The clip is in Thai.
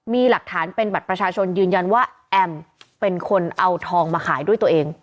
มีหลักฐานเป็นบัตรประชาชนยืนยันว่าแอมเป็นคนเอาทองมาขายด้วยตัวเอง